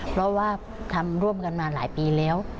เพราะว่าทำร่วมกันมาหลายปีแล้ว